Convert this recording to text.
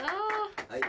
はい。